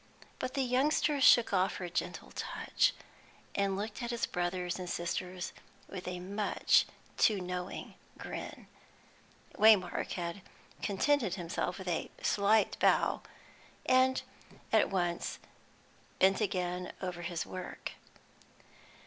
But the youngster shook off her gentle touch, and looked at his brothers and sisters with a much too knowing grin. Waymark had contented himself with a slight bow, and at once bent again over his work.